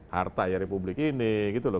harta ya republik ini gitu loh